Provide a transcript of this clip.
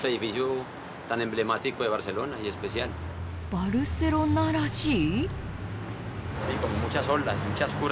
バルセロナらしい？